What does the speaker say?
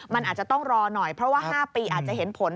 มันอาจจะต้องรอหน่อยเพราะว่า๕ปีอาจจะเห็นผล